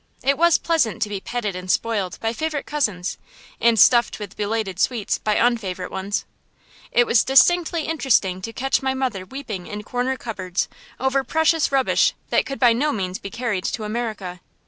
It was pleasant to be petted and spoiled by favorite cousins and stuffed with belated sweets by unfavorite ones. It was distinctly interesting to catch my mother weeping in corner cupboards over precious rubbish that could by no means be carried to America.